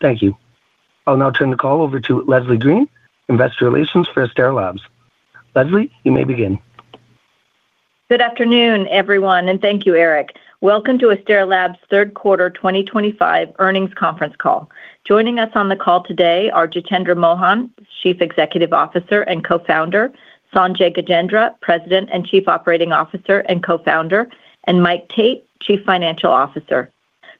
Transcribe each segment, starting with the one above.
Thank you. I'll now turn the call over to Leslie Green, Investor Relations for Astera Labs. Leslie, you may begin. Good afternoon, everyone, and thank you, Eric. Welcome to Astera Labs' third quarter 2025 earnings conference call. Joining us on the call today are Jitendra Mohan, Chief Executive Officer and Co-founder; Sanjay Gajendra, President and Chief Operating Officer and Co-founder; and Mike Tate, Chief Financial Officer.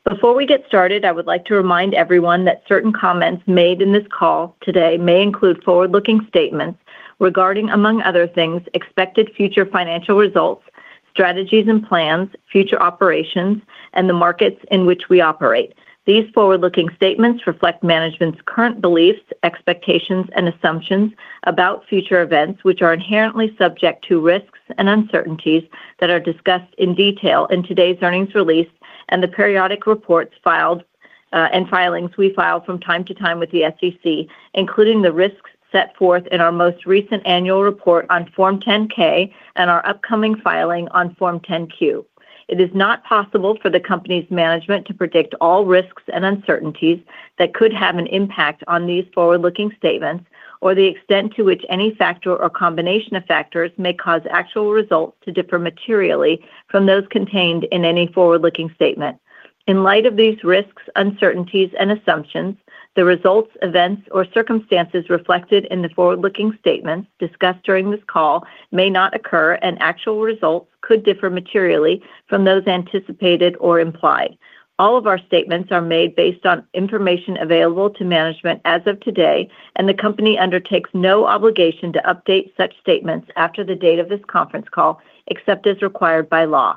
Before we get started, I would like to remind everyone that certain comments made in this call today may include forward-looking statements regarding, among other things, expected future financial results, strategies and plans, future operations, and the markets in which we operate. These forward-looking statements reflect management's current beliefs, expectations, and assumptions about future events, which are inherently subject to risks and uncertainties that are discussed in detail in today's earnings release and the periodic reports filed and filings we file from time to time with the SEC, including the risks set forth in our most recent annual report on Form 10-K and our upcoming filing on Form 10-Q. It is not possible for the company's management to predict all risks and uncertainties that could have an impact on these forward-looking statements or the extent to which any factor or combination of factors may cause actual results to differ materially from those contained in any forward-looking statement. In light of these risks, uncertainties, and assumptions, the results, events, or circumstances reflected in the forward-looking statements discussed during this call may not occur, and actual results could differ materially from those anticipated or implied. All of our statements are made based on information available to management as of today, and the company undertakes no obligation to update such statements after the date of this conference call, except as required by law.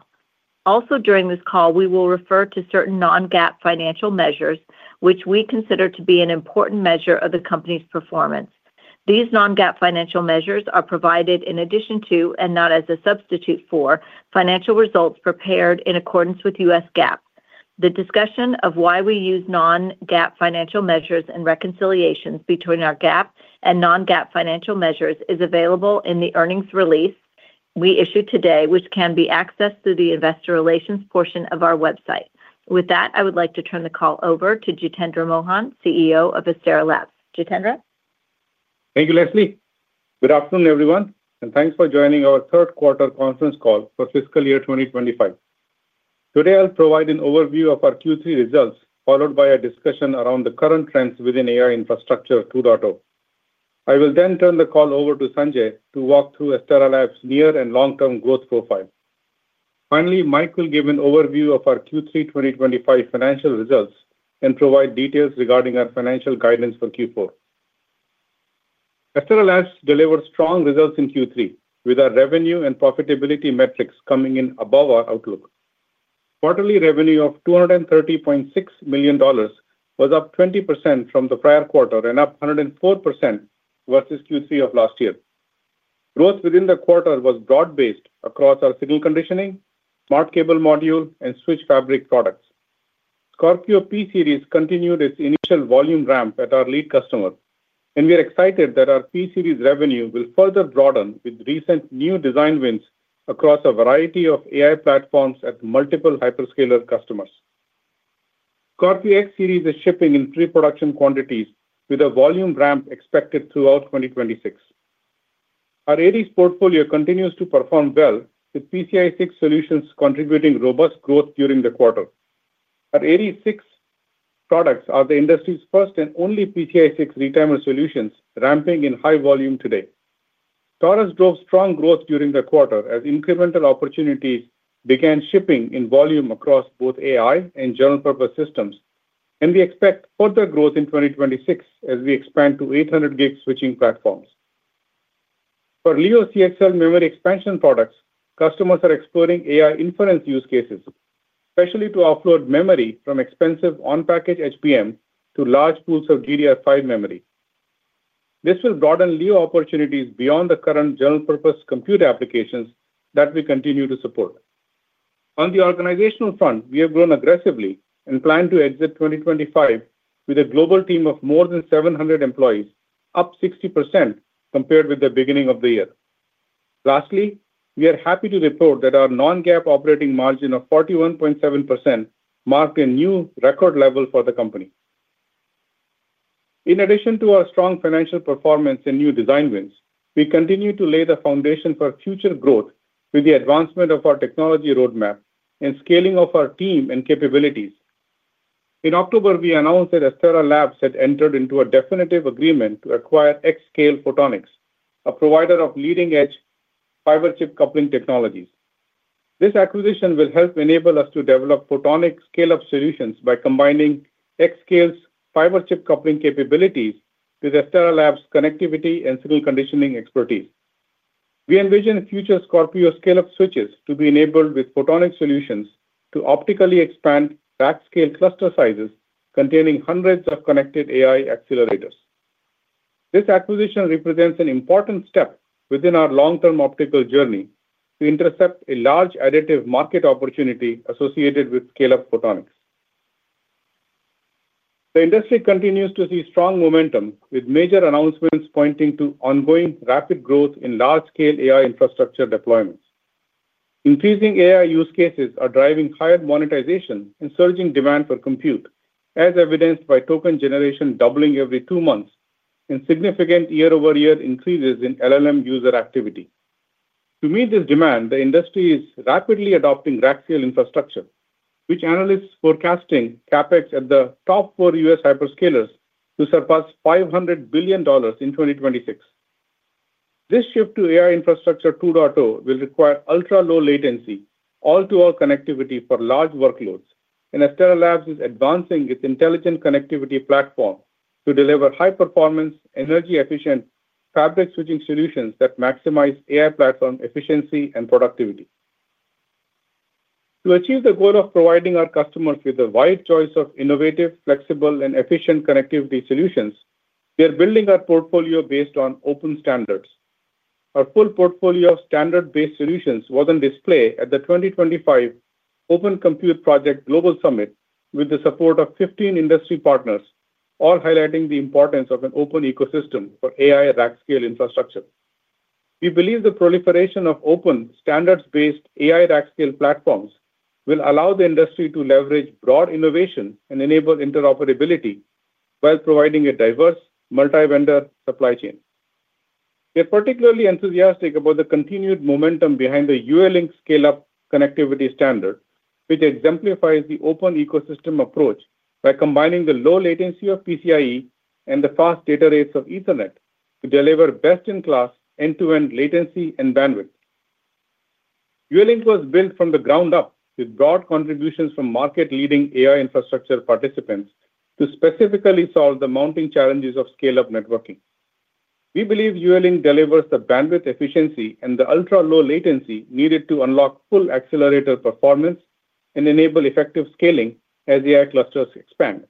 Also, during this call, we will refer to certain non-GAAP financial measures, which we consider to be an important measure of the company's performance. These non-GAAP financial measures are provided in addition to, and not as a substitute for, financial results prepared in accordance with U.S. GAAP. The discussion of why we use non-GAAP financial measures and reconciliations between our GAAP and non-GAAP financial measures is available in the earnings release we issued today, which can be accessed through the Investor Relations portion of our website. With that, I would like to turn the call over to Jitendra Mohan, CEO of Astera Labs. Jitendra. Thank you, Leslie. Good afternoon, everyone, and thanks for joining our third quarter conference call for fiscal year 2025. Today, I'll provide an overview of our Q3 results, followed by a discussion around the current trends within AI infrastructure 2.0. I will then turn the call over to Sanjay to walk through Astera Labs' near and long-term growth profile. Finally, Mike will give an overview of our Q3 2025 financial results and provide details regarding our financial guidance for Q4. Astera Labs delivered strong results in Q3, with our revenue and profitability metrics coming in above our outlook. Quarterly revenue of $230.6 million was up 20% from the prior quarter and up 104% versus Q3 of last year. Growth within the quarter was broad-based across our signal conditioning, smart cable module, and switch fabric products. Scorpio P Series continued its initial volume ramp at our lead customer, and we are excited that our P Series revenue will further broaden with recent new design wins across a variety of AI platforms at multiple hyperscaler customers. Scorpio X Series is shipping in pre-production quantities, with a volume ramp expected throughout 2026. Our Aries portfolio continues to perform well, with PCIe 6 solutions contributing robust growth during the quarter. Our Aries 6 products are the industry's first and only PCIe 6 retimer solutions, ramping in high volume today. Taurus drove strong growth during the quarter as incremental opportunities began shipping in volume across both AI and general-purpose systems, and we expect further growth in 2026 as we expand to 800 GB switching platforms. For Leo CXL memory expansion products, customers are exploring AI inference use cases, especially to offload memory from expensive on-package HBM to large pools of DDR5 memory. This will broaden Leo opportunities beyond the current general-purpose compute applications that we continue to support. On the organizational front, we have grown aggressively and plan to exit 2025 with a global team of more than 700 employees, up 60% compared with the beginning of the year. Lastly, we are happy to report that our non-GAAP operating margin of 41.7% marked a new record level for the company. In addition to our strong financial performance and new design wins, we continue to lay the foundation for future growth with the advancement of our technology roadmap and scaling of our team and capabilities. In October, we announced that Astera Labs had entered into a definitive agreement to acquire Xscape Photonics, a provider of leading-edge fiber chip coupling technologies. This acquisition will help enable us to develop photonic scale-up solutions by combining Xscape's fiber chip coupling capabilities with Astera Labs' connectivity and signal conditioning expertise. We envision future Scorpio scale-up switches to be enabled with photonic solutions to optically expand rack scale cluster sizes containing hundreds of connected AI accelerators. This acquisition represents an important step within our long-term optical journey to intercept a large additive market opportunity associated with scale-up photonics. The industry continues to see strong momentum, with major announcements pointing to ongoing rapid growth in large-scale AI infrastructure deployments. Increasing AI use cases are driving higher monetization and surging demand for compute, as evidenced by token generation doubling every two months and significant year-over-year increases in LLM user activity. To meet this demand, the industry is rapidly adopting rack scale infrastructure, which analysts forecasting Capex at the top four U.S. hyperscalers to surpass $500 billion in 2026. This shift to AI infrastructure 2.0 will require ultra-low latency all-to-all connectivity for large workloads, and Astera Labs is advancing its intelligent connectivity platform to deliver high-performance, energy-efficient fabric switching solutions that maximize AI platform efficiency and productivity. To achieve the goal of providing our customers with a wide choice of innovative, flexible, and efficient connectivity solutions, we are building our portfolio based on open standards. Our full portfolio of standards-based solutions was on display at the 2025 Open Compute Project Global Summit with the support of 15 industry partners, all highlighting the importance of an open ecosystem for AI rack scale infrastructure. We believe the proliferation of open standards-based AI rack scale platforms will allow the industry to leverage broad innovation and enable interoperability while providing a diverse multi-vendor supply chain. We are particularly enthusiastic about the continued momentum behind the UALink scale-up connectivity standard, which exemplifies the open ecosystem approach by combining the low latency of PCIe and the fast data rates of Ethernet to deliver best-in-class end-to-end latency and bandwidth. UALink was built from the ground up, with broad contributions from market-leading AI infrastructure participants to specifically solve the mounting challenges of scale-up networking. We believe UALink delivers the bandwidth efficiency and the ultra-low latency needed to unlock full accelerator performance and enable effective scaling as AI clusters expand.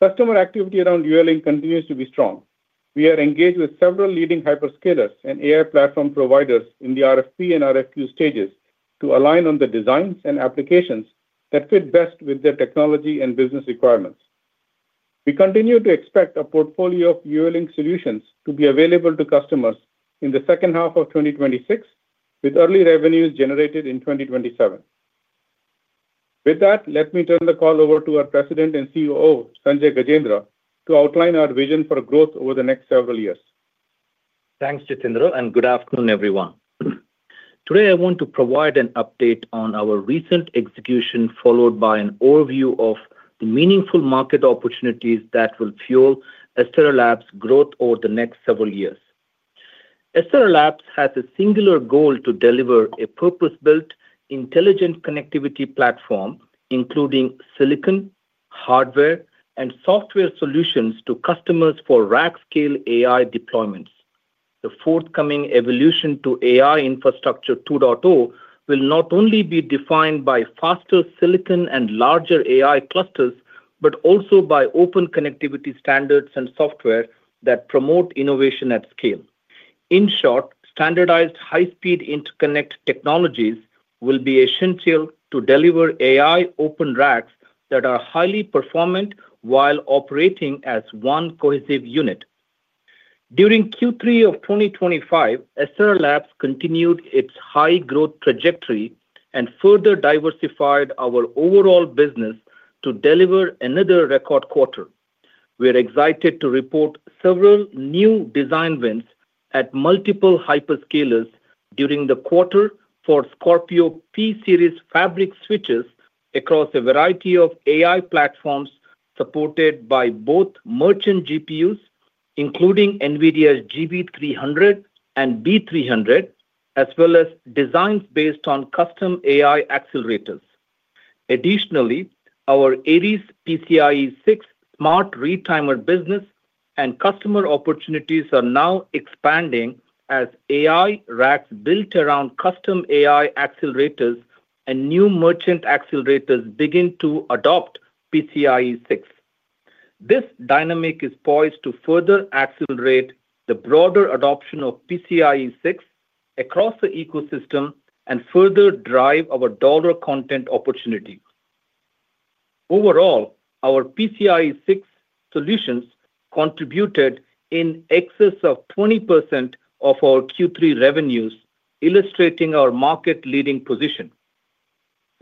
Customer activity around UALink continues to be strong. We are engaged with several leading hyperscalers and AI platform providers in the RFP and RFQ stages to align on the designs and applications that fit best with their technology and business requirements. We continue to expect a portfolio of UALink solutions to be available to customers in the second half of 2026, with early revenues generated in 2027. With that, let me turn the call over to our President and COO, Sanjay Gajendra, to outline our vision for growth over the next several years. Thanks, Jitendra, and good afternoon, everyone. Today, I want to provide an update on our recent execution, followed by an overview of the meaningful market opportunities that will fuel Astera Labs' growth over the next several years. Astera Labs has a singular goal to deliver a purpose-built, intelligent connectivity platform, including silicon, hardware, and software solutions to customers for rack-scale AI deployments. The forthcoming evolution to AI Infrastructure 2.0 will not only be defined by faster silicon and larger AI clusters, but also by open connectivity standards and software that promote innovation at scale. In short, standardized high-speed interconnect technologies will be essential to deliver AI open racks that are highly performant while operating as one cohesive unit. During Q3 of 2025, Astera Labs continued its high-growth trajectory and further diversified our overall business to deliver another record quarter. We are excited to report several new design wins at multiple hyperscalers during the quarter for Scorpio P Series fabric switches across a variety of AI platforms supported by both merchant GPUs, including NVIDIA's GB300 and B300, as well as designs based on custom AI accelerators. Additionally, our Aries PCIe 6 smart retimer business and customer opportunities are now expanding as AI racks built around custom AI accelerators and new merchant accelerators begin to adopt PCIe 6. This dynamic is poised to further accelerate the broader adoption of PCIe 6 across the ecosystem and further drive our dollar content opportunity. Overall, our PCIe 6 solutions contributed in excess of 20% of our Q3 revenues, illustrating our market-leading position.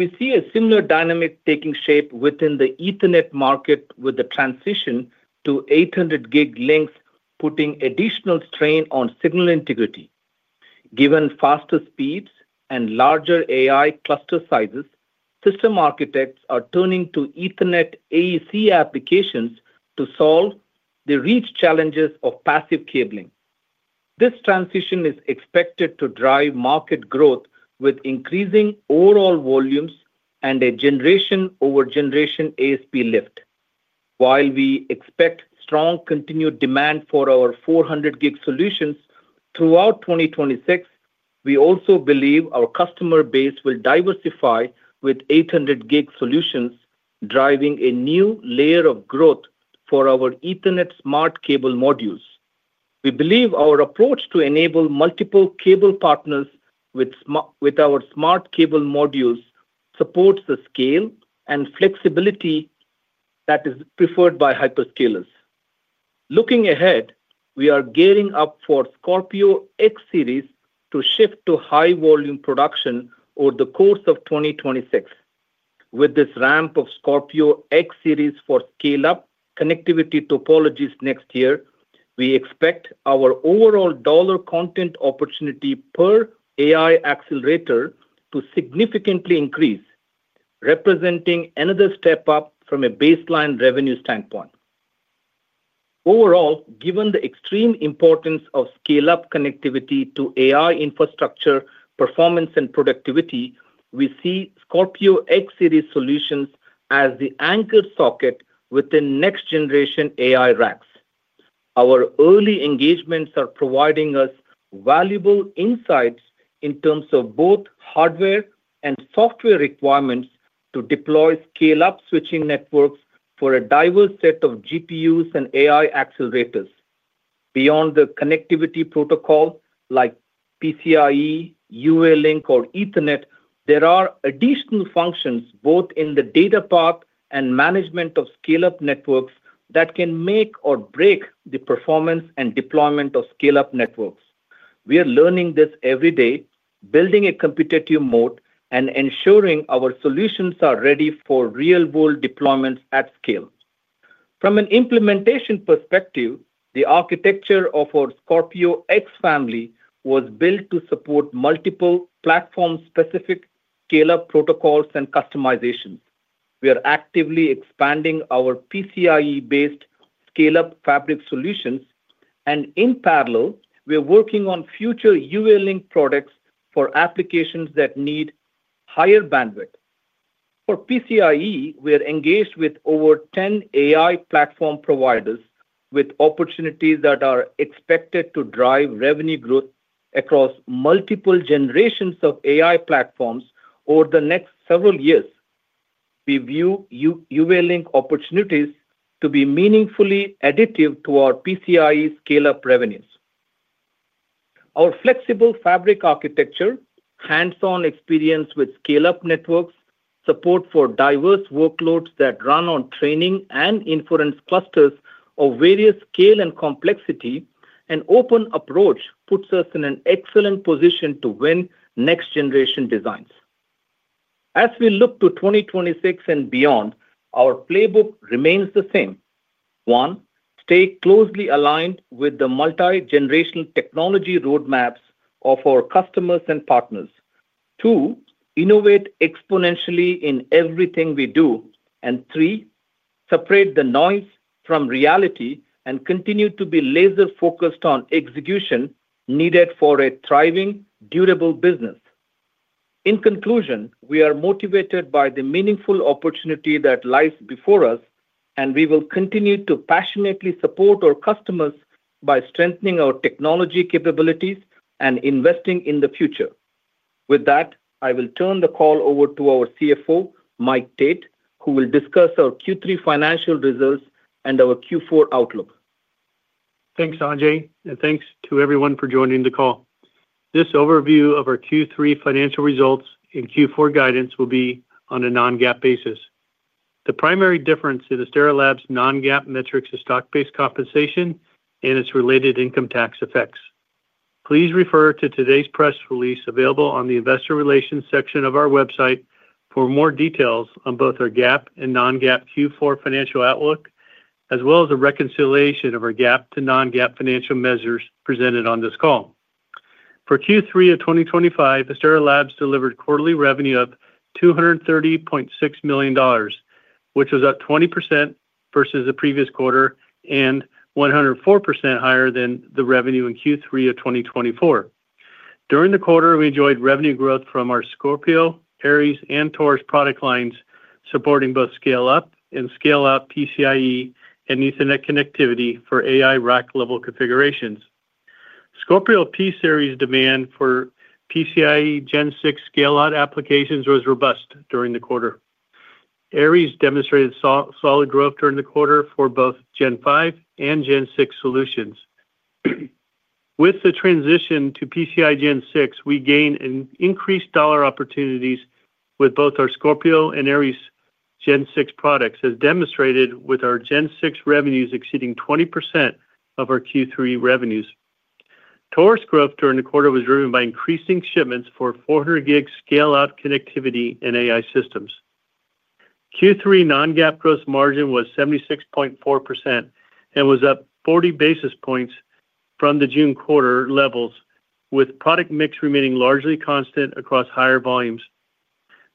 We see a similar dynamic taking shape within the Ethernet market, with the transition to 800 Gb lengths putting additional strain on signal integrity. Given faster speeds and larger AI cluster sizes, system architects are turning to Ethernet AEC applications to solve the reach challenges of passive cabling. This transition is expected to drive market growth with increasing overall volumes and a generation-over-generation ASP lift. While we expect strong continued demand for our 400 Gb solutions throughout 2026, we also believe our customer base will diversify with 800 Gb solutions, driving a new layer of growth for our Ethernet smart cable modules. We believe our approach to enable multiple cable partners with our smart cable modules supports the scale and flexibility that is preferred by hyperscalers. Looking ahead, we are gearing up for Scorpio X Series to shift to high-volume production over the course of 2026. With this ramp of Scorpio X Series for scale-up connectivity topologies next year, we expect our overall dollar content opportunity per AI accelerator to significantly increase, representing another step up from a baseline revenue standpoint. Overall, given the extreme importance of scale-up connectivity to AI Infrastructure performance and productivity, we see Scorpio X Series solutions as the anchor socket within next-generation AI racks. Our early engagements are providing us valuable insights in terms of both hardware and software requirements to deploy scale-up switching networks for a diverse set of GPUs and AI accelerators. Beyond the connectivity protocol like PCIe, UALink, or Ethernet, there are additional functions both in the data path and management of scale-up networks that can make or break the performance and deployment of scale-up networks. We are learning this every day, building a competitive moat, and ensuring our solutions are ready for real-world deployments at scale. From an implementation perspective, the architecture of our Scorpio X family was built to support multiple platform-specific scale-up protocols and customizations. We are actively expanding our PCIe-based scale-up fabric solutions, and in parallel, we are working on future UALink products for applications that need higher bandwidth. For PCIe, we are engaged with over 10 AI platform providers, with opportunities that are expected to drive revenue growth across multiple generations of AI platforms over the next several years. We view UALink opportunities to be meaningfully additive to our PCIe scale-up revenues. Our flexible fabric architecture, hands-on experience with scale-up networks, support for diverse workloads that run on training and inference clusters of various scale and complexity, and open approach puts us in an excellent position to win next-generation designs. As we look to 2026 and beyond, our playbook remains the same. One, stay closely aligned with the multi-generational technology roadmaps of our customers and partners. Two, innovate exponentially in everything we do. And three, separate the noise from reality and continue to be laser-focused on execution needed for a thriving, durable business. In conclusion, we are motivated by the meaningful opportunity that lies before us, and we will continue to passionately support our customers by strengthening our technology capabilities and investing in the future. With that, I will turn the call over to our CFO, Mike Tate, who will discuss our Q3 financial results and our Q4 outlook. Thanks, Sanjay, and thanks to everyone for joining the call. This overview of our Q3 financial results and Q4 guidance will be on a non-GAAP basis. The primary difference in Astera Labs' non-GAAP metrics is stock-based compensation and its related income tax effects. Please refer to today's press release available on the investor relations section of our website for more details on both our GAAP and non-GAAP Q4 financial outlook, as well as a reconciliation of our GAAP to non-GAAP financial measures presented on this call. For Q3 of 2025, Astera Labs delivered quarterly revenue of $230.6 million, which was up 20% versus the previous quarter and 104% higher than the revenue in Q3 of 2024. During the quarter, we enjoyed revenue growth from our Scorpio, Aries, and Taurus product lines, supporting both scale-up and scale-out PCIe and Ethernet connectivity for AI rack-level configurations. Scorpio P Series demand for PCIe Gen 6 scale-out applications was robust during the quarter. Aries demonstrated solid growth during the quarter for both Gen 5 and Gen 6 solutions. With the transition to PCIe Gen 6, we gained increased dollar opportunities with both our Scorpio and Aries Gen 6 products, as demonstrated with our Gen 6 revenues exceeding 20% of our Q3 revenues. Taurus growth during the quarter was driven by increasing shipments for 400 Gb scale-out connectivity and AI systems. Q3 non-GAAP gross margin was 76.4% and was up 40 basis points from the June quarter levels, with product mix remaining largely constant across higher volumes.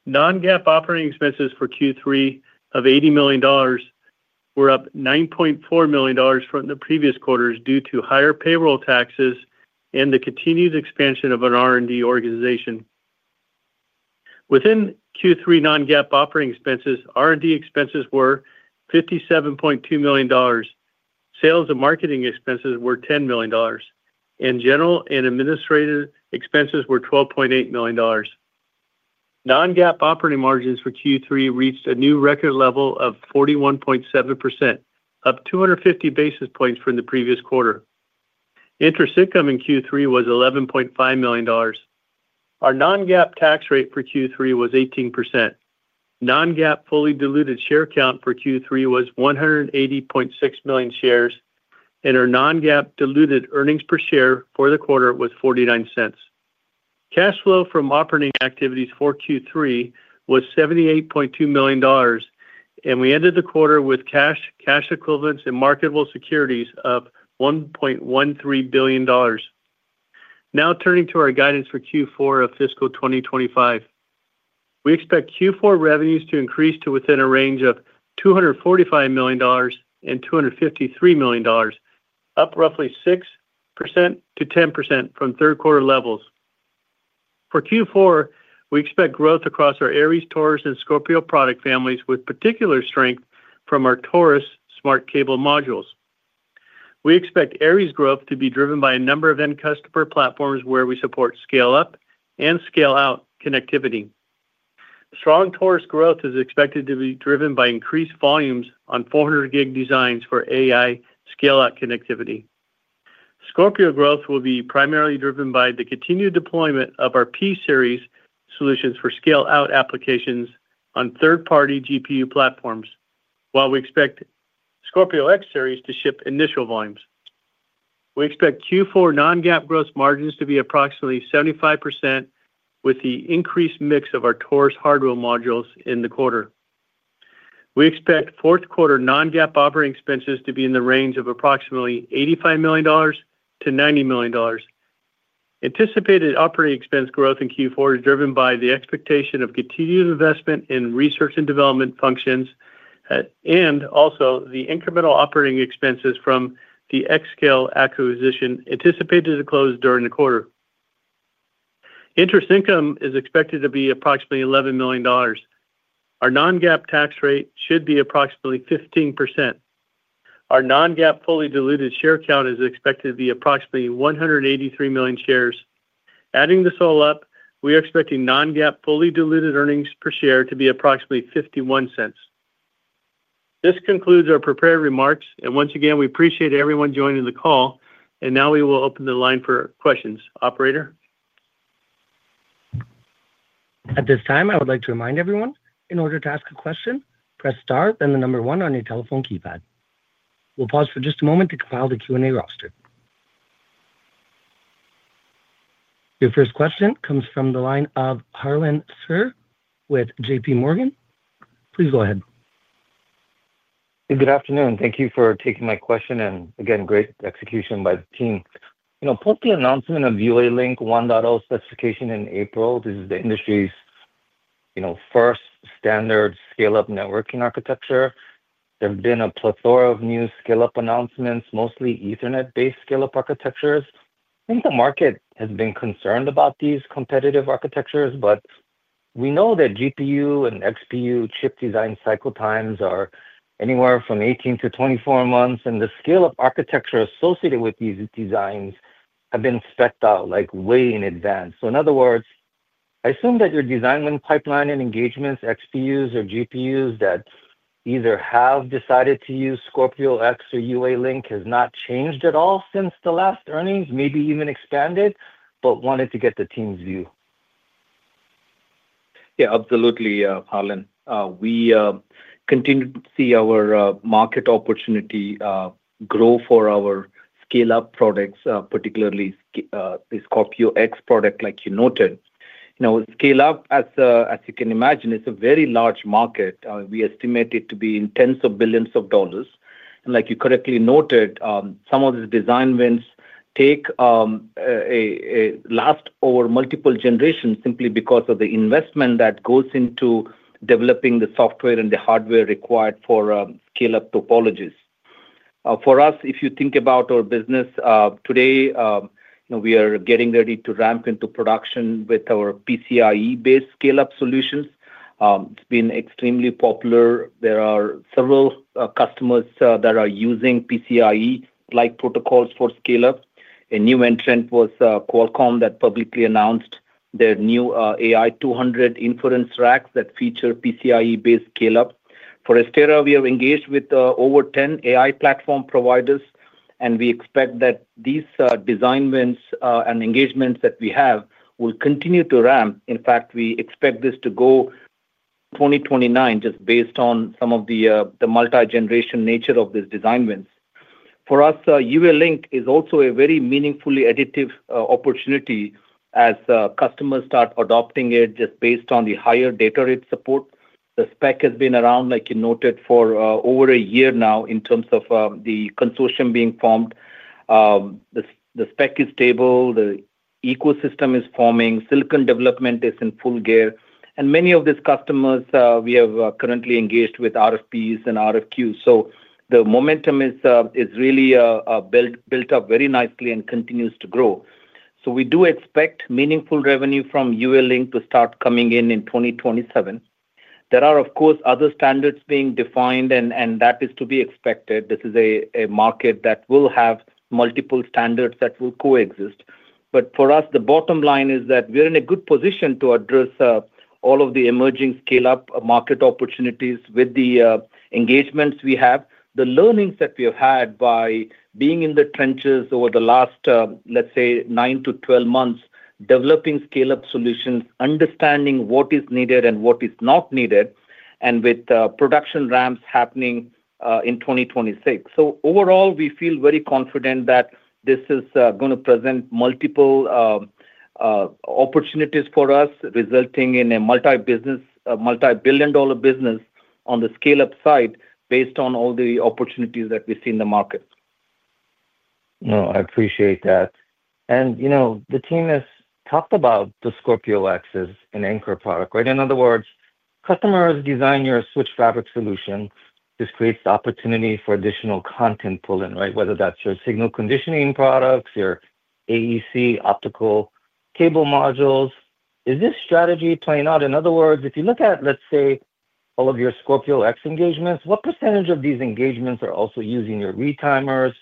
Non-GAAP operating expenses for Q3 of $80 million were up $9.4 million from the previous quarters due to higher payroll taxes and the continued expansion of our R&D organization. Within Q3 non-GAAP operating expenses, R&D expenses were $57.2 million. Sales and marketing expenses were $10 million, and general and administrative expenses were $12.8 million. Non-GAAP operating margins for Q3 reached a new record level of 41.7%, up 250 basis points from the previous quarter. Interest income in Q3 was $11.5 million. Our non-GAAP tax rate for Q3 was 18%. Non-GAAP fully diluted share count for Q3 was 180.6 million shares, and our non-GAAP diluted earnings per share for the quarter was $0.49. Cash flow from operating activities for Q3 was $78.2 million, and we ended the quarter with cash, cash equivalents, and marketable securities of $1.13 billion. Now turning to our guidance for Q4 of fiscal 2025. We expect Q4 revenues to increase to within a range of $245 million-$253 million, up roughly 6%-10% from third quarter levels. For Q4, we expect growth across our Aries, Taurus, and Scorpio product families with particular strength from our Taurus smart cable modules. We expect Aries growth to be driven by a number of end customer platforms where we support scale-up and scale-out connectivity. Strong Taurus growth is expected to be driven by increased volumes on 400 Gb designs for AI scale-out connectivity. Scorpio growth will be primarily driven by the continued deployment of our P Series solutions for scale-out applications on third-party GPU platforms, while we expect Scorpio X Series to ship initial volumes. We expect Q4 non-GAAP gross margins to be approximately 75% with the increased mix of our Taurus hardware modules in the quarter. We expect fourth quarter non-GAAP operating expenses to be in the range of approximately $85 million-$90 million. Anticipated operating expense growth in Q4 is driven by the expectation of continued investment in research and development functions, and also the incremental operating expenses from the Xscape acquisition anticipated to close during the quarter. Interest income is expected to be approximately $11 million. Our non-GAAP tax rate should be approximately 15%. Our non-GAAP fully diluted share count is expected to be approximately 183 million shares. Adding this all up, we are expecting non-GAAP fully diluted earnings per share to be approximately $0.51. This concludes our prepared remarks, and once again, we appreciate everyone joining the call, and now we will open the line for questions. Operator. At this time, I would like to remind everyone, in order to ask a question, press star and the number one on your telephone keypad. We'll pause for just a moment to compile the Q&A roster. Your first question comes from the line of Harlan Sur with JPMorgan. Please go ahead. Good afternoon. Thank you for taking my question, and again, great execution by the team. You know, post the announcement of UALink 1.0 specification in April, this is the industry's, you know, first standard scale-up networking architecture. There have been a plethora of new scale-up announcements, mostly Ethernet-based scale-up architectures. I think the market has been concerned about these competitive architectures, but we know that GPU and XPU chip design cycle times are anywhere from 18-24 months, and the scale-up architecture associated with these designs have been spec'd out like way in advance. So, in other words, I assume that your design pipeline and engagements, XPUs or GPUs that either have decided to use Scorpio X or UALink has not changed at all since the last earnings, maybe even expanded, but wanted to get the team's view. Yeah, absolutely, Harlan. We continue to see our market opportunity grow for our scale-up products, particularly the Scorpio X product, like you noted. You know, scale-up, as you can imagine, is a very large market. We estimate it to be in tens of billions of dollars. And like you correctly noted, some of these design wins can last over multiple generations simply because of the investment that goes into developing the software and the hardware required for scale-up topologies. For us, if you think about our business today, you know, we are getting ready to ramp into production with our PCIe-based scale-up solutions. It's been extremely popular. There are several customers that are using PCIe-like protocols for scale-up. A new entrant was Qualcomm that publicly announced their new AI 200 inference racks that feature PCIe-based scale-up. For Astera, we are engaged with over 10 AI platform providers, and we expect that these design wins and engagements that we have will continue to ramp. In fact, we expect this to go to 2029, just based on some of the multi-generation nature of these design wins. For us, UAlink is also a very meaningfully additive opportunity as customers start adopting it just based on the higher data rate support. The spec has been around, like you noted, for over a year now in terms of the consortium being formed. The spec is stable, the ecosystem is forming, silicon development is in full gear, and many of these customers we have currently engaged with RFPs and RFQs. So the momentum is really built up very nicely and continues to grow. So we do expect meaningful revenue from UAlink to start coming in in 2027. There are, of course, other standards being defined, and that is to be expected. This is a market that will have multiple standards that will coexist. But for us, the bottom line is that we are in a good position to address all of the emerging scale-up market opportunities with the engagements we have, the learnings that we have had by being in the trenches over the last, let's say, 9 to 12 months, developing scale-up solutions, understanding what is needed and what is not needed, and with production ramps happening in 2026. So overall, we feel very confident that this is going to present multiple opportunities for us, resulting in a multi-billion dollar business on the scale-up side based on all the opportunities that we see in the market. No, I appreciate that. And you know, the team has talked about the Scorpio X as an anchor product, right? In other words, customers design your switch fabric solution, this creates the opportunity for additional content pull-in, right? Whether that's your signal conditioning products, your AEC optical cable modules. Is this strategy playing out? In other words, if you look at, let's say, all of your Scorpio X engagements, what percentage of these engagements are also using your retimers,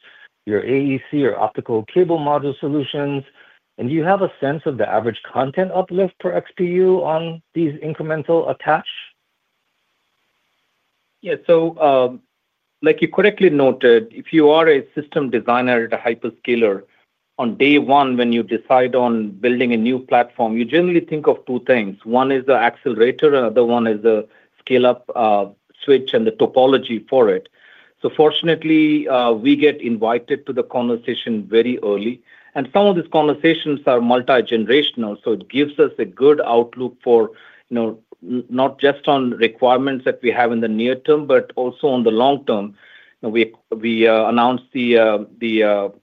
your AEC, or optical cable module solutions? And do you have a sense of the average content uplift per XPU on these incremental attach? Yeah, so. Like you correctly noted, if you are a system designer at a hyperscaler, on day one, when you decide on building a new platform, you generally think of two things. One is the accelerator, another one is the scale-up switch and the topology for it. So fortunately, we get invited to the conversation very early, and some of these conversations are multi-generational, so it gives us a good outlook for, you know, not just on requirements that we have in the near term, but also on the long term. We announced the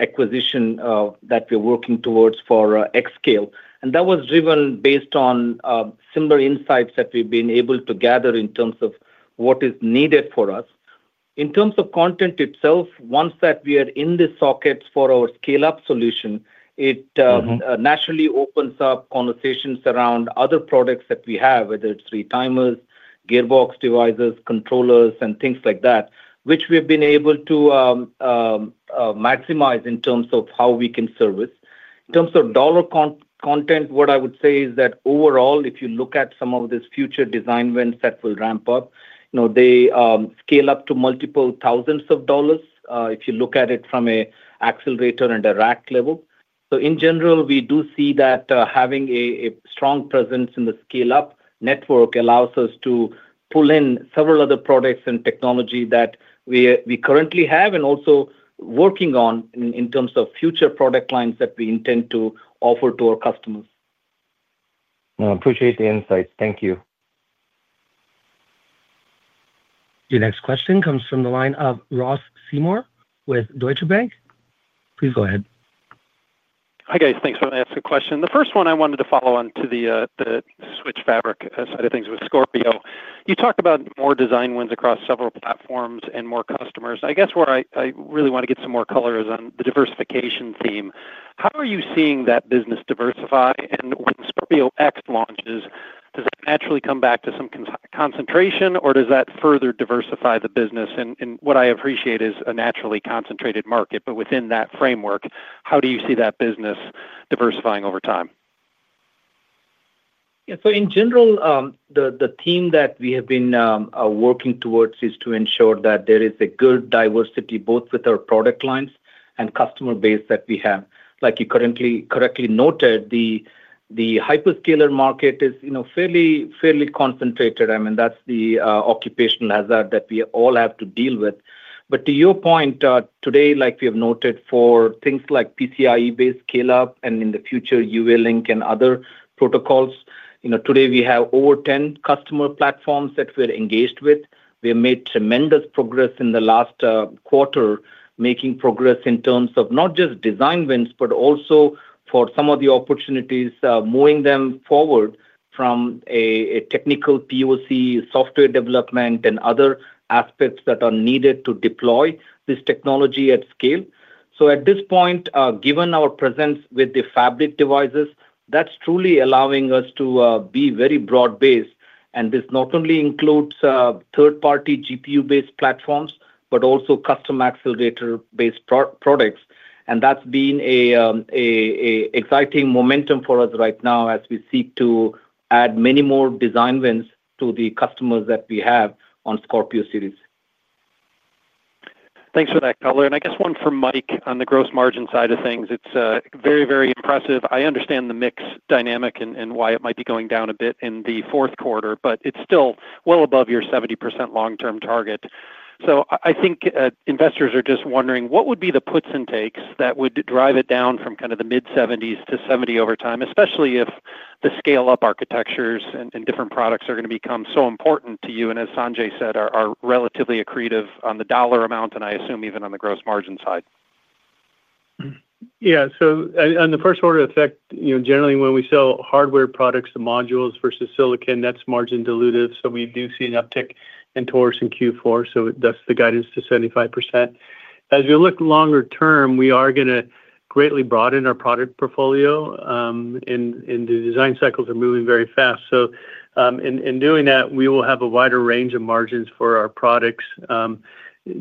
acquisition that we're working towards for Xscape, and that was driven based on similar insights that we've been able to gather in terms of what is needed for us. In terms of content itself, once that we are in the sockets for our scale-up solution, it naturally opens up conversations around other products that we have, whether it's retimers, gearbox devices, controllers, and things like that, which we have been able to maximize in terms of how we can service. In terms of dollar content, what I would say is that overall, if you look at some of these future design wins that will ramp up, you know, they scale up to multiple thousands of dollars if you look at it from an accelerator and a rack level. So in general, we do see that having a strong presence in the scale-up network allows us to pull in several other products and technology that we currently have and also working on in terms of future product lines that we intend to offer to our customers. I appreciate the insights. Thank you. Your next question comes from the line of Ross Seymour with Deutsche Bank. Please go ahead. Hi guys, thanks for asking the question. The first one I wanted to follow on to the switch fabric side of things with Scorpio. You talked about more design wins across several platforms and more customers. I guess where I really want to get some more color is on the diversification theme. How are you seeing that business diversify? And when Scorpio X launches, does it naturally come back to some concentration, or does that further diversify the business? And what I appreciate is a naturally concentrated market, but within that framework, how do you see that business diversifying over time? Yeah, so in general, the theme that we have been working towards is to ensure that there is a good diversity both with our product lines and customer base that we have. Like you correctly noted, the hyperscaler market is, you know, fairly concentrated. I mean, that's the occupational hazard that we all have to deal with. But to your point, today, like we have noted for things like PCIe-based scale-up and in the future UALink and other protocols, you know, today we have over 10 customer platforms that we're engaged with. We have made tremendous progress in the last quarter, making progress in terms of not just design wins, but also for some of the opportunities, moving them forward from a technical POC, software development, and other aspects that are needed to deploy this technology at scale. So at this point, given our presence with the fabric devices, that's truly allowing us to be very broad-based. And this not only includes third-party GPU-based platforms, but also custom accelerator-based products. And that's been an exciting momentum for us right now as we seek to add many more design wins to the customers that we have on Scorpio Series. Thanks for that, Color. I guess one from Mike on the gross margin side of things. It's very, very impressive. I understand the mix dynamic and why it might be going down a bit in the fourth quarter, but it's still well above your 70% long-term target. So I think investors are just wondering what would be the puts and takes that would drive it down from kind of the mid-70s% to 70% over time, especially if the scale-up architectures and different products are going to become so important to you and, as Sanjay said, are relatively accretive on the dollar amount and I assume even on the gross margin side. Yeah, so on the first order effect, you know, generally when we sell hardware products, the modules versus silicon, that's margin dilutive, so we do see an uptick in Taurus and Q4, so that's the guidance to 75%. As we look longer term, we are going to greatly broaden our product portfolio, and the design cycles are moving very fast. So in doing that, we will have a wider range of margins for our products.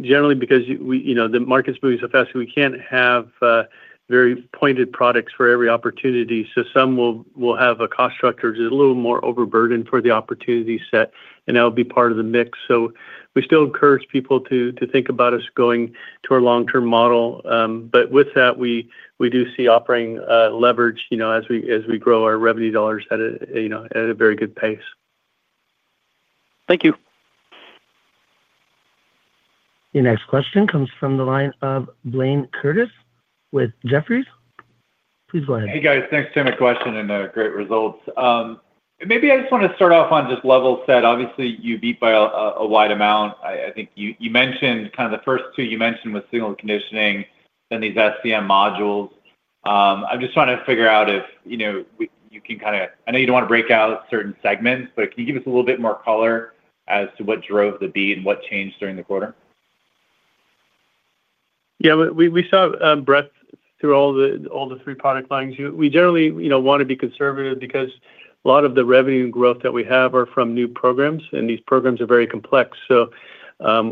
Generally, because the market's moving so fast, we can't have very pointed products for every opportunity, so some will have a cost structure which is a little more overburdened for the opportunity set, and that will be part of the mix. So we still encourage people to think about us going to our long-term model, but with that, we do see operating leverage, you know, as we grow our revenue dollars at a very good pace. Thank you. Your next question comes from the line of Blayne Curtis with Jefferies. Please go ahead. Hey guys, thanks for my question and great results. Maybe I just want to start off on just level set. Obviously, you beat by a wide amount. I think you mentioned kind of the first two you mentioned with signal conditioning and these SCM modules. I'm just trying to figure out if, you know, you can kind of, I know you don't want to break out certain segments, but can you give us a little bit more color as to what drove the beat and what changed during the quarter? Yeah, we saw breadth through all the three product lines. We generally want to be conservative because a lot of the revenue and growth that we have are from new programs, and these programs are very complex. So,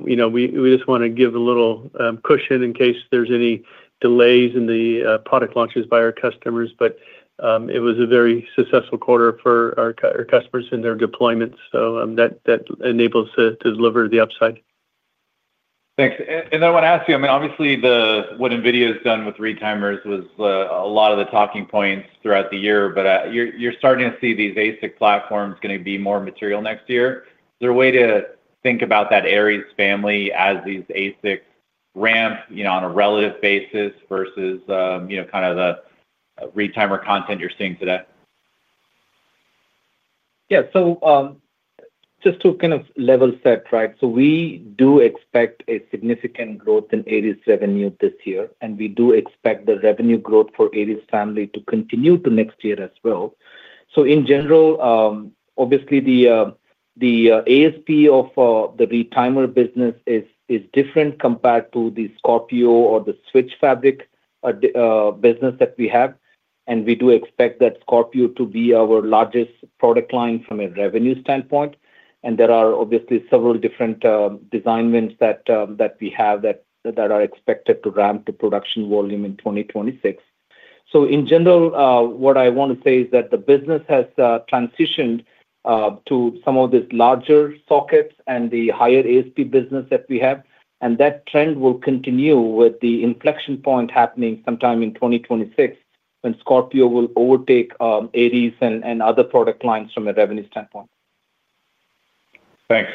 you know, we just want to give a little cushion in case there's any delays in the product launches by our customers. But it was a very successful quarter for our customers and their deployments. So that enables us to deliver the upside. Thanks. And I want to ask you, I mean, obviously what NVIDIA has done with retimers was a lot of the talking points throughout the year, but you're starting to see these ASIC platforms going to be more material next year. Is there a way to think about that Aries family as these ASICs ramp on a relative basis versus kind of the retimer content you're seeing today? Yeah, so. Just to kind of level set, right? So we do expect a significant growth in Aries revenue this year, and we do expect the revenue growth for Aries family to continue to next year as well. So in general, obviously the ASP of the retimer business is different compared to the Scorpio or the switch fabric business that we have. And we do expect that Scorpio to be our largest product line from a revenue standpoint. And there are obviously several different design wins that we have that are expected to ramp to production volume in 2026. So in general, what I want to say is that the business has transitioned to some of these larger sockets and the higher ASP business that we have. And that trend will continue with the inflection point happening sometime in 2026 when Scorpio will overtake Aries and other product lines from a revenue standpoint. Thanks.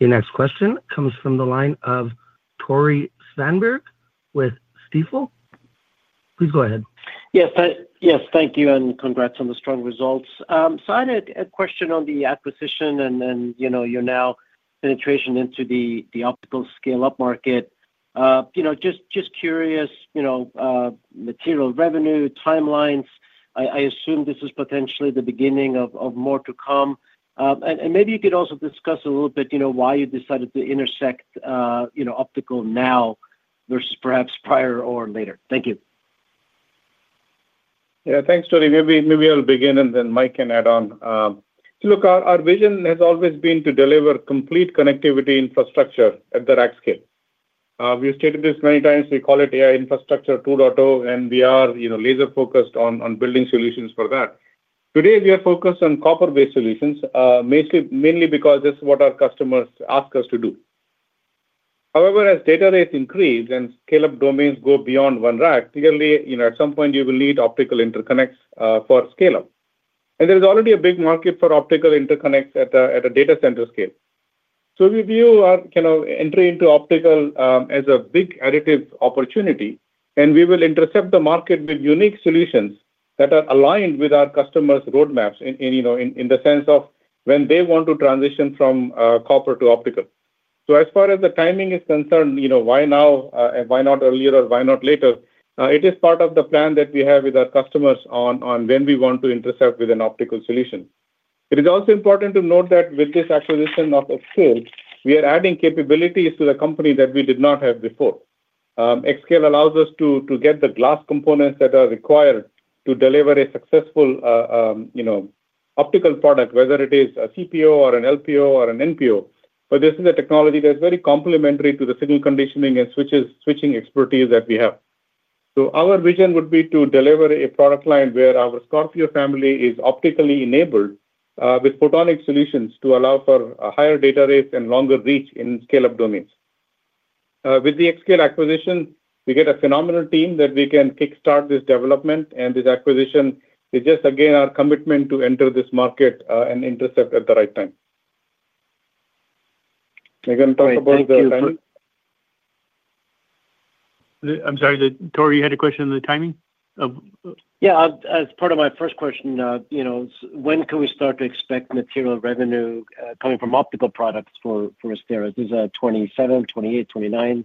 Your next question comes from the line of Tore Svanberg with Stifel. Please go ahead. Yes, thank you and congrats on the strong results. So I had a question on the acquisition and you know your new penetration into the optical scale-up market. You know, just curious, you know. Material revenue timelines. I assume this is potentially the beginning of more to come. And maybe you could also discuss a little bit why you decided to enter the optical now versus perhaps prior or later. Thank you. Yeah, thanks, Tore. Maybe I'll begin and then Mike can add on. Look, our vision has always been to deliver complete connectivity infrastructure at the rack scale. We've stated this many times. We call it AI Infrastructure 2.0, and we are laser-focused on building solutions for that. Today, we are focused on copper-based solutions, mainly because this is what our customers ask us to do. However, as data rates increase and scale-up domains go beyond one rack, clearly, you know, at some point you will need optical interconnects for scale-up. And there is already a big market for optical interconnects at a data center scale. So we view our kind of entry into optical as a big additive opportunity, and we will intercept the market with unique solutions that are aligned with our customers' roadmaps in the sense of when they want to transition from copper to optical. So as far as the timing is concerned, you know, why now and why not earlier or why not later, it is part of the plan that we have with our customers on when we want to intercept with an optical solution. It is also important to note that with this acquisition of Xscape, we are adding capabilities to the company that we did not have before. Xscape allows us to get the glass components that are required to deliver a successful optical product, whether it is a CPO or an LPO or an NPO. But this is a technology that is very complementary to the signal conditioning and switching expertise that we have. So our vision would be to deliver a product line where our Scorpio family is optically enabled with photonic solutions to allow for higher data rates and longer reach in scale-up domains. With the Xscape acquisition, we get a phenomenal team that we can kickstart this development, and this acquisition is just, again, our commitment to enter this market and intercept at the right time. I'm sorry, Tore, you had a question on the timing? Yeah, as part of my first question, you know, when can we start to expect material revenue coming from optical products for Astera? Is it 2027, 2028, 2029?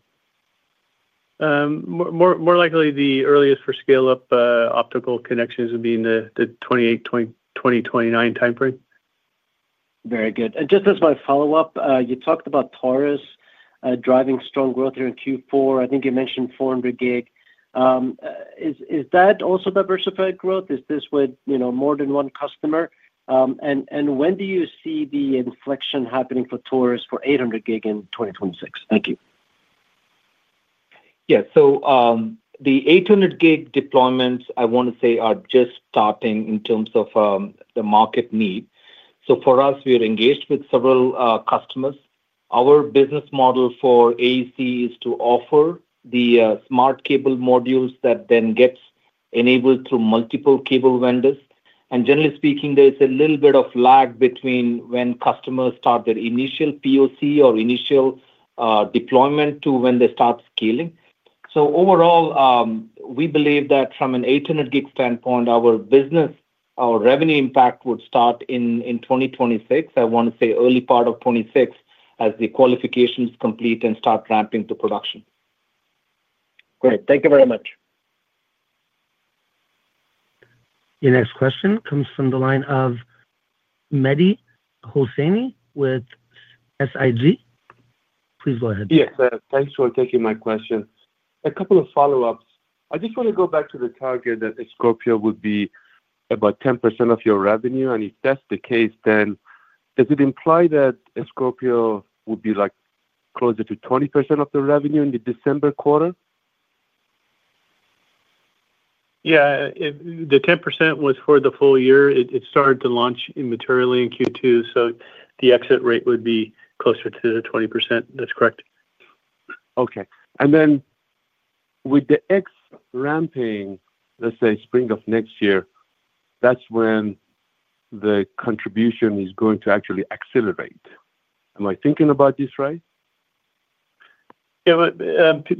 More likely the earliest for scale-up optical connections would be in the 2028-2029 timeframe. Very good. And just as my follow-up, you talked about Taurus driving strong growth here in Q4. I think you mentioned 400 Gb. Is that also diversified growth? Is this with more than one customer? And when do you see the inflection happening for Taurus for 800 Gb in 2026? Thank you. Yeah, so the 800 Gb deployments, I want to say, are just starting in terms of the market need. So for us, we are engaged with several customers. Our business model for AEC is to offer the smart cable modules that then get enabled through multiple cable vendors. And generally speaking, there is a little bit of lag between when customers start their initial POC or initial deployment to when they start scaling. So overall, we believe that from an 800 Gb standpoint, our revenue impact would start in 2026. I want to say early part of 2026 as the qualifications complete and start ramping to production. Great. Thank you very much. Your next question comes from the line of Mehdi Hosseini with SIG. Please go ahead. Yes, thanks for taking my question. A couple of follow-ups. I just want to go back to the target that Scorpio would be about 10% of your revenue. And if that's the case, then does it imply that Scorpio would be like closer to 20% of the revenue in the December quarter? Yeah, the 10% was for the full year. It started to launch immaterially in Q2, so the exit rate would be closer to the 20%. That's correct. Okay. And then. With the X ramping, let's say spring of next year, that's when the contribution is going to actually accelerate. Am I thinking about this right? Yeah,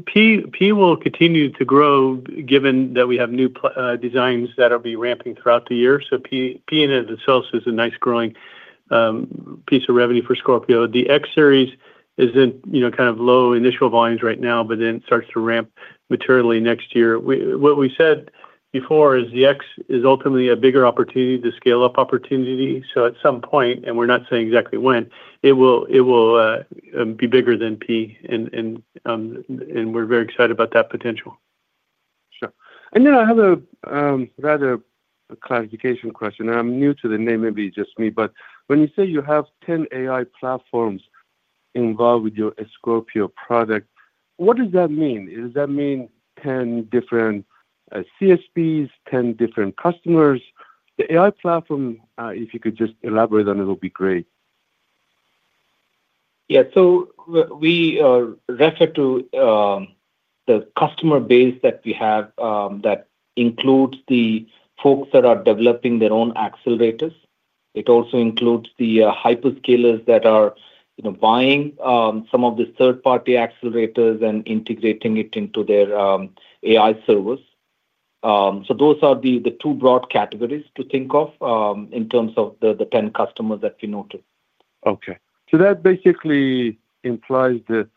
P will continue to grow given that we have new designs that will be ramping throughout the year. So P in itself is a nice growing piece of revenue for Scorpio. The X series is in kind of low initial volumes right now, but then starts to ramp materially next year. What we said before is the X is ultimately a bigger opportunity, the scale-up opportunity. So at some point, and we're not saying exactly when, it will be bigger than P. And we're very excited about that potential. Sure. And then I have rather a clarification question. I'm new to the name, maybe just me. But when you say you have 10 AI platforms involved with your Scorpio product, what does that mean? Does that mean 10 different CSPs, 10 different customers? The AI platform, if you could just elaborate on it, it would be great. Yeah, so we refer to the customer base that we have that includes the folks that are developing their own accelerators. It also includes the hyperscalers that are buying some of the third-party accelerators and integrating it into their AI servers. So those are the two broad categories to think of in terms of the 10 customers that we noted. Okay. So that basically implies the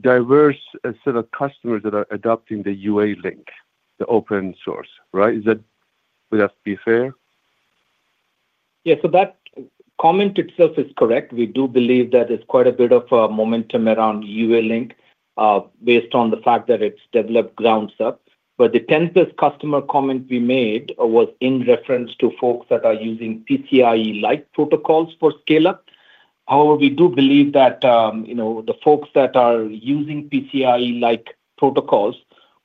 diverse set of customers that are adopting the UALink, the open source, right? Would that be fair? Yeah, so that comment itself is correct. We do believe that there's quite a bit of momentum around UALink. Based on the fact that it's developed from the ground up. But the 10th customer comment we made was in reference to folks that are using PCIe-like protocols for scale-up. However, we do believe that the folks that are using PCIe-like protocols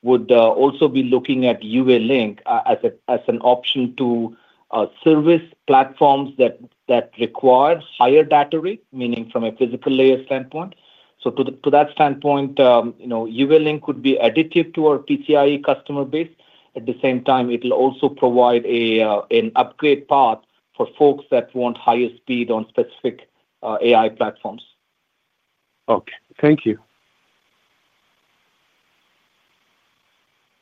would also be looking at UALink as an option to service platforms that require higher data rate, meaning from a physical layer standpoint. So to that standpoint, UALink could be additive to our PCIe customer base. At the same time, it will also provide an upgrade path for folks that want higher speed on specific AI platforms. Okay. Thank you.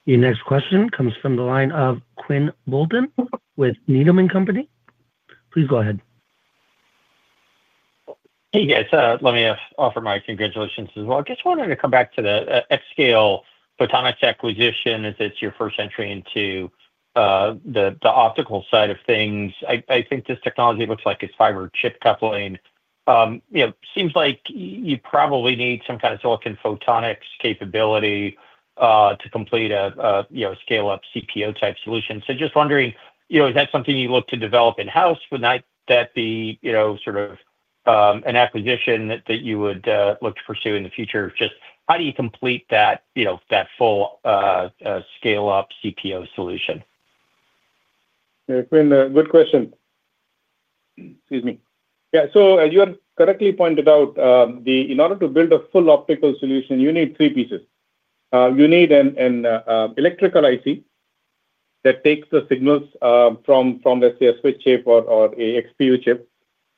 Your next question comes from the line of Quinn Bolton with Needham & Company. Please go ahead. Hey, yes, let me offer my congratulations as well. I just wanted to come back to the Xscape Photonics acquisition as it's your first entry into the optical side of things. I think this technology looks like it's fiber chip coupling. It seems like you probably need some kind of silicon photonics capability to complete a scale-up CPO type solution. So just wondering, is that something you look to develop in-house? Wouldn't that be sort of an acquisition that you would look to pursue in the future? Just how do you complete that full scale-up CPO solution? Quinn, good question. Excuse me. Yeah, so as you have correctly pointed out, in order to build a full optical solution, you need three pieces. You need an electrical IC. That takes the signals from, let's say, a switch chip or an XPU chip,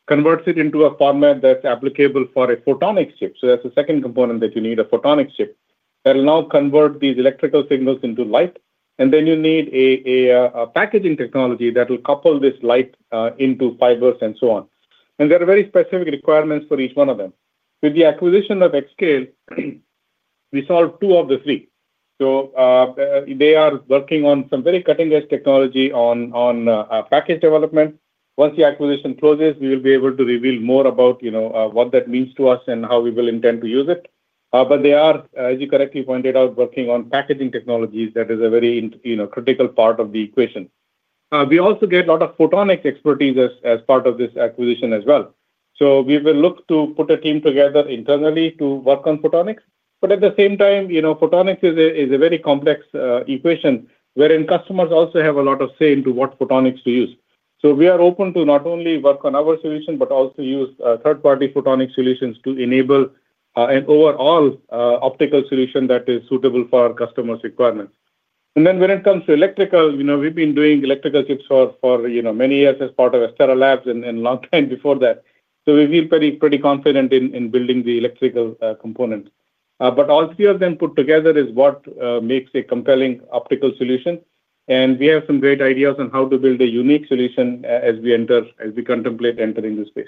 converts it into a format that's applicable for a photonics chip, so that's the second component that you need, a photonics chip. That will now convert these electrical signals into light, and then you need a packaging technology that will couple this light into fibers and so on, and there are very specific requirements for each one of them. With the acquisition of Xscape, we solved two of the three, so they are working on some very cutting-edge technology on package development. Once the acquisition closes, we will be able to reveal more about what that means to us and how we will intend to use it, but they are, as you correctly pointed out, working on packaging technologies that is a very critical part of the equation. We also get a lot of photonics expertise as part of this acquisition as well, so we will look to put a team together internally to work on photonics, but at the same time, photonics is a very complex equation wherein customers also have a lot of say into what photonics to use, so we are open to not only work on our solution, but also use third-party photonics solutions to enable an overall optical solution that is suitable for our customers' requirements, and then when it comes to electrical, we've been doing electrical chips for many years as part of Astera Labs and a long time before that, so we feel pretty confident in building the electrical components, but all three of them put together is what makes a compelling optical solution, and we have some great ideas on how to build a unique solution as we contemplate entering the space.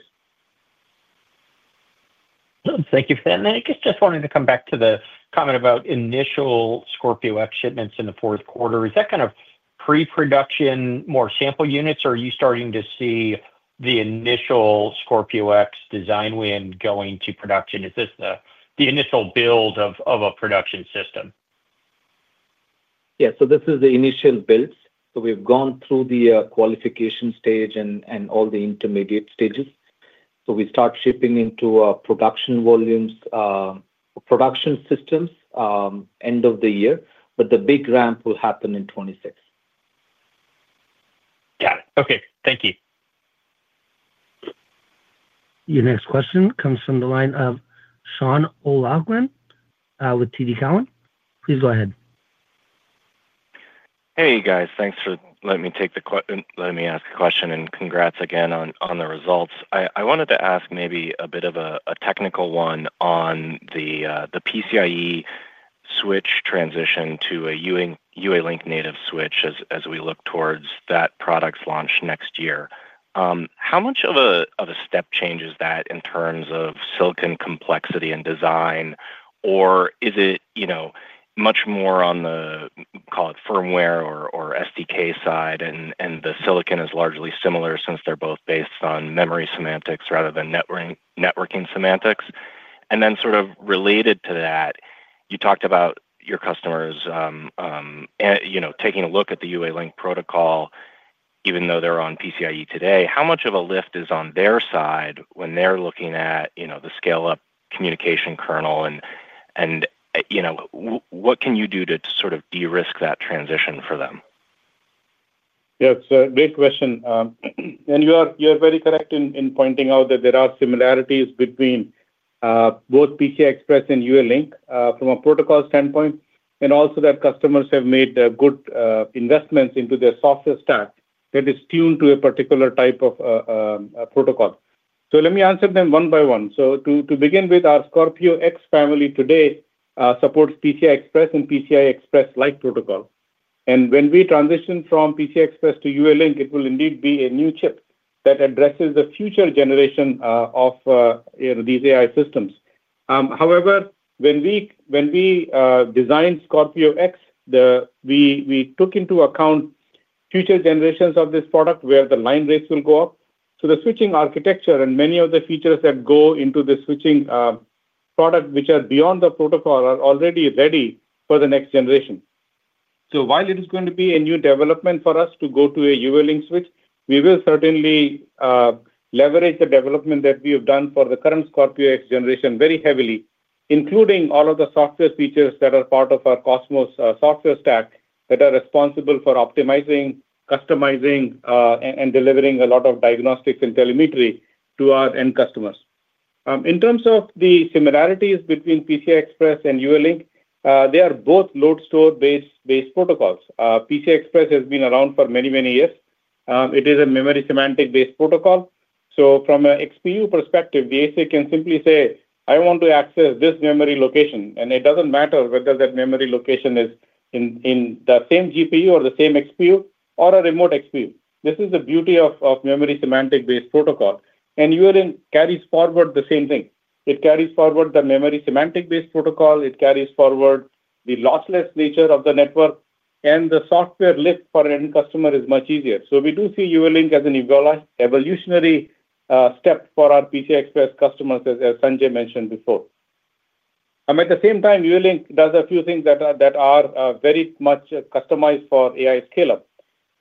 Thank you, Jit. And I guess just wanted to come back to the comment about initial Scorpio X shipments in the fourth quarter. Is that kind of pre-production, more sample units, or are you starting to see the initial Scorpio X design win going to production? Is this the initial build of a production system? Yeah, so this is the initial build. So we've gone through the qualification stage and all the intermediate stages. So we start shipping into production volumes. Production systems end of the year, but the big ramp will happen in 2026. Got it. Okay. Thank you. Your next question comes from the line of Sean O'Clegg with TD Cowen. Please go ahead. Hey, guys. Thanks for letting me take the - let me ask a question and congrats again on the results. I wanted to ask maybe a bit of a technical one on the PCIe switch transition to a UALink native switch as we look towards that product's launch next year. How much of a step change is that in terms of silicon complexity and design, or is it much more on the, call it, firmware or SDK side, and the silicon is largely similar since they're both based on memory semantics rather than networking semantics? And then sort of related to that, you talked about your customers. Taking a look at the UALink protocol, even though they're on PCIe today, how much of a lift is on their side when they're looking at the scale-up communication kernel? And what can you do to sort of de-risk that transition for them? Yeah, it's a great question. And you are very correct in pointing out that there are similarities between both PCI Express and UALink from a protocol standpoint, and also that customers have made good investments into their software stack that is tuned to a particular type of protocol. So let me answer them one by one. So to begin with, our Scorpio X family today supports PCI Express and PCI Express-like protocols. And when we transition from PCI Express to UALink, it will indeed be a new chip that addresses the future generation of these AI systems. However, when we designed Scorpio X, we took into account future generations of this product where the line rates will go up. So the switching architecture and many of the features that go into the switching product which are beyond the protocol are already ready for the next generation. So while it is going to be a new development for us to go to a UALink switch, we will certainly leverage the development that we have done for the current Scorpio X generation very heavily, including all of the software features that are part of our Cosmos software stack that are responsible for optimizing, customizing, and delivering a lot of diagnostics and telemetry to our end customers. In terms of the similarities between PCI Express and UALink, they are both load-store-based protocols. PCI Express has been around for many, many years. It is a memory semantic-based protocol. So from an XPU perspective, the ASIC can simply say, "I want to access this memory location." And it doesn't matter whether that memory location is in the same GPU or the same XPU or a remote XPU. This is the beauty of memory semantic-based protocol. And UALink carries forward the same thing. It carries forward the memory semantic-based protocol. It carries forward the lossless nature of the network, and the software lift for an end customer is much easier. So we do see UALink as an evolutionary step for our PCI Express customers, as Sanjay mentioned before. At the same time, UALink does a few things that are very much customized for AI scale-up.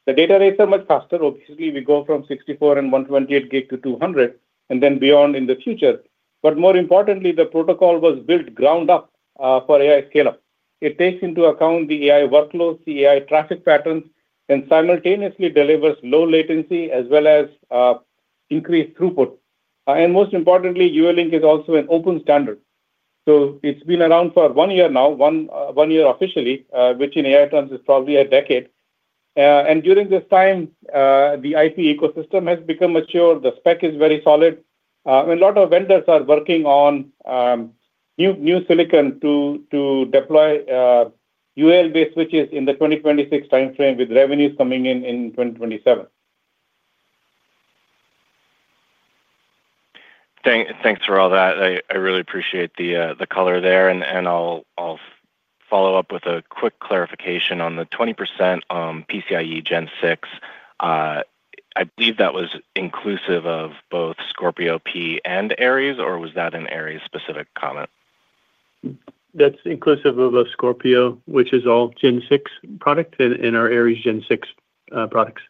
The data rates are much faster. Obviously, we go from 64 Gb and 128 Gb to 200 Gb and then beyond in the future. But more importantly, the protocol was built ground up for AI scale-up. It takes into account the AI workloads, the AI traffic patterns, and simultaneously delivers low latency as well as increased throughput. And most importantly, UALink is also an open standard. So it's been around for one year now, one year officially, which in AI terms is probably a decade. And during this time, the IP ecosystem has become mature. The spec is very solid. And a lot of vendors are working on new silicon to deploy UALink-based switches in the 2026 timeframe with revenues coming in in 2027. Thanks for all that. I really appreciate the color there. And I'll follow up with a quick clarification on the 20% PCIe Gen 6. I believe that was inclusive of both Scorpio P and Aries, or was that an Aries-specific comment? That's inclusive of Scorpio, which is all Gen 6 product, and our Aries Gen 6 products.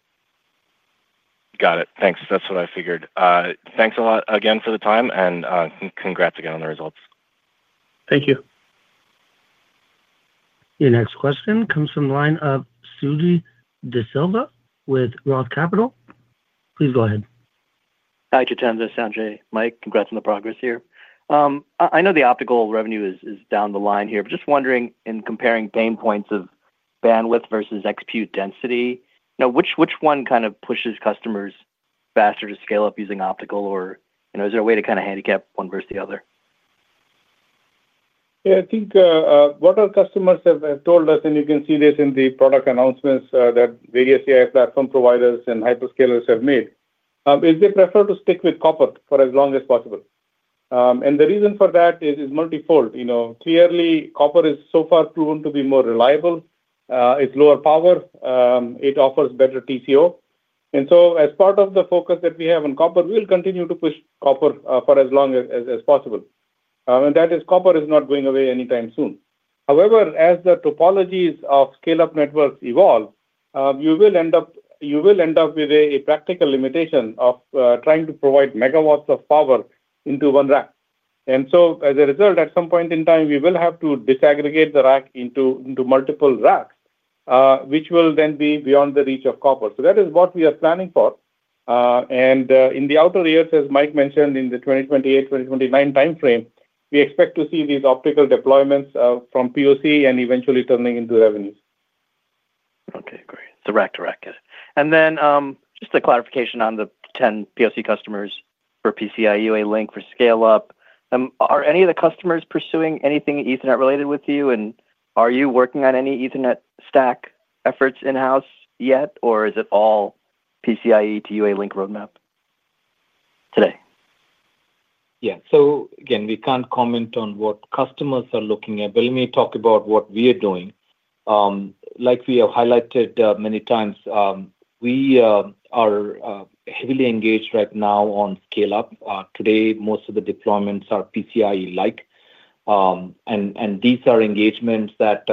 Got it. Thanks. That's what I figured. Thanks a lot again for the time, and congrats again on the results. Thank you. Your next question comes from the line of Suji DeSilva with Roth Capital. Please go ahead. Hi, Jitendra. Sanjay, Mike, congrats on the progress here. I know the optical revenue is down the line here, but just wondering in comparing pain points of bandwidth versus XPU density, which one kind of pushes customers faster to scale up using optical, or is there a way to kind of handicap one versus the other? Yeah, I think what our customers have told us, and you can see this in the product announcements that various AI platform providers and hyperscalers have made, is they prefer to stick with copper for as long as possible. And the reason for that is multifold. Clearly, copper is so far proven to be more reliable. It's lower power. It offers better TCO. And so as part of the focus that we have on copper, we'll continue to push copper for as long as possible. And that is, copper is not going away anytime soon. However, as the topologies of scale-up networks evolve, you will end up with a practical limitation of trying to provide megawatts of power into one rack. And so as a result, at some point in time, we will have to disaggregate the rack into multiple racks, which will then be beyond the reach of copper. So that is what we are planning for. And in the outer years, as Mike mentioned, in the 2028-2029 timeframe, we expect to see these optical deployments from POC and eventually turning into revenues. Okay, great. So rack to rack. And then just a clarification on the 10 POC customers for PCIe UALink for scale-up. Are any of the customers pursuing anything Ethernet-related with you, and are you working on any Ethernet stack efforts in-house yet, or is it all PCIe to UALink roadmap today? Yeah. So again, we can't comment on what customers are looking at, but let me talk about what we are doing. Like we have highlighted many times, we are heavily engaged right now on scale-up. Today, most of the deployments are PCIe-like. And these are engagements that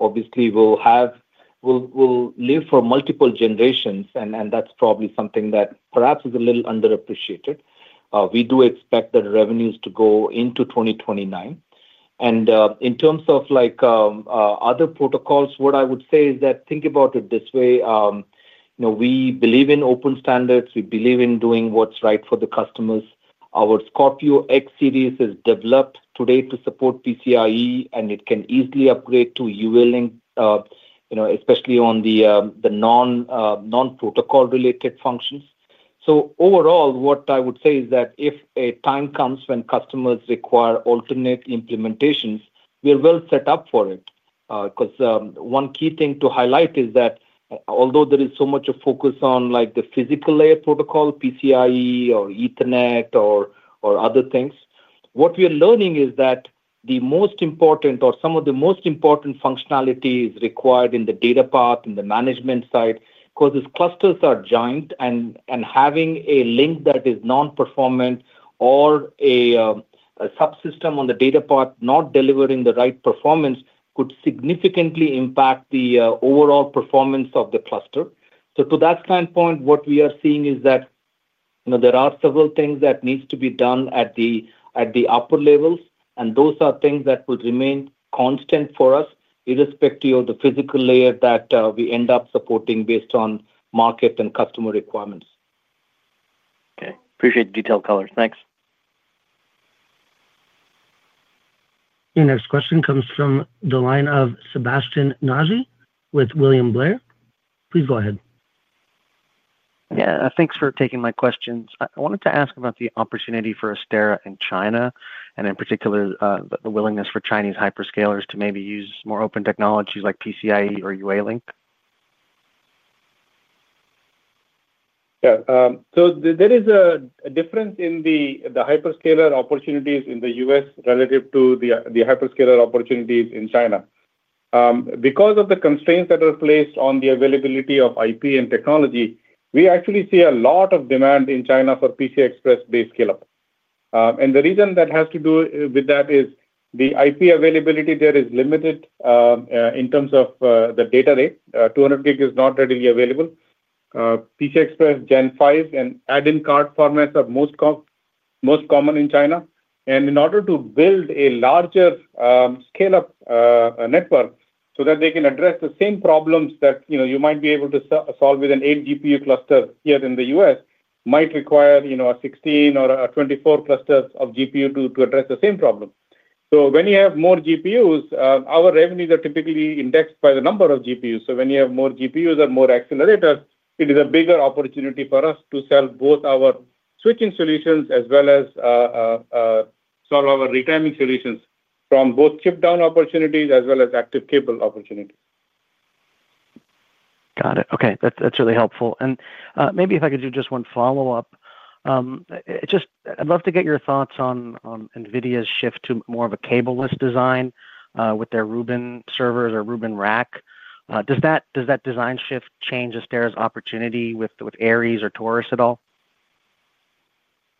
obviously will live for multiple generations, and that's probably something that perhaps is a little underappreciated. We do expect that revenues to go into 2029. And in terms of other protocols, what I would say is that think about it this way. We believe in open standards. We believe in doing what's right for the customers. Our Scorpio X Series is developed today to support PCIe, and it can easily upgrade to UALink. Especially on the non-protocol-related functions. So overall, what I would say is that if a time comes when customers require alternate implementations, we are well set up for it. Because one key thing to highlight is that although there is so much focus on the physical layer protocol, PCIe or Ethernet or other things, what we are learning is that the most important or some of the most important functionality is required in the data path, in the management side, because these clusters are giant, and having a link that is non-performant or a subsystem on the data path not delivering the right performance could significantly impact the overall performance of the cluster. So to that standpoint, what we are seeing is that there are several things that need to be done at the upper levels, and those are things that will remain constant for us, irrespective of the physical layer that we end up supporting based on market and customer requirements. Okay. Appreciate the detailed colors. Thanks. Your next question comes from the line of Sebastien Naji with William Blair. Please go ahead. Yeah. Thanks for taking my questions. I wanted to ask about the opportunity for Astera in China, and in particular, the willingness for Chinese hyperscalers to maybe use more open technologies like PCIe or UALink. Yeah. So there is a difference in the hyperscaler opportunities in the U.S. relative to the hyperscaler opportunities in China. Because of the constraints that are placed on the availability of IP and technology, we actually see a lot of demand in China for PCI Express-based scale-up. And the reason that has to do with that is the IP availability there is limited. In terms of the data rate, 200 Gb is not readily available. PCI Express Gen 5 and add-in card formats are most common in China. And in order to build a larger scale-up network so that they can address the same problems that you might be able to solve with an eight-GPU cluster here in the U.S. might require a 16- or 24-GPU cluster to address the same problem. So when you have more GPUs, our revenues are typically indexed by the number of GPUs. So when you have more GPUs or more accelerators, it is a bigger opportunity for us to sell both our switching solutions as well as sell our retiming solutions from both chip-down opportunities as well as active cable opportunities. Got it. Okay. That's really helpful. And maybe if I could do just one follow-up. I'd love to get your thoughts on NVIDIA's shift to more of a cableless design with their Rubin servers or Rubin rack. Does that design shift change Astera's opportunity with Aries or Taurus at all?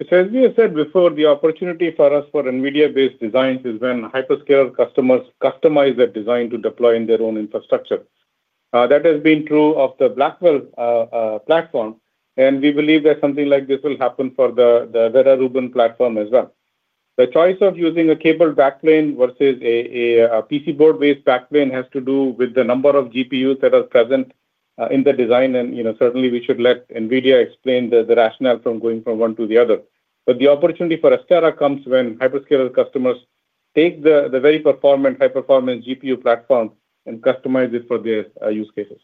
So as we have said before, the opportunity for us for NVIDIA-based designs is when hyperscaler customers customize their design to deploy in their own infrastructure. That has been true of the Blackwell platform, and we believe that something like this will happen for the Rubin platform as well. The choice of using a cable backplane versus a PC board-based backplane has to do with the number of GPUs that are present in the design, and certainly we should let NVIDIA explain the rationale from going from one to the other. But the opportunity for Astera comes when hyperscaler customers take the very high-performance GPU platform and customize it for their use cases.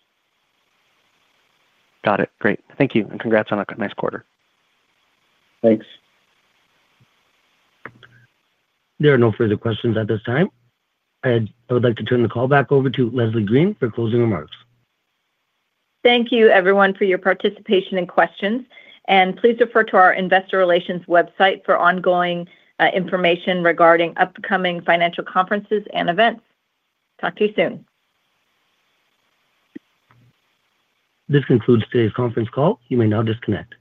Got it. Great. Thank you, and congrats on a nice quarter. Thanks. There are no further questions at this time. I would like to turn the call back over to Leslie Green for closing remarks. Thank you, everyone, for your participation and questions. Please refer to our investor relations website for ongoing information regarding upcoming financial conferences and events. Talk to you soon. This concludes today's conference call. You may now disconnect.